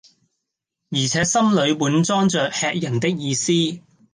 而且心裏滿裝着喫人的意思。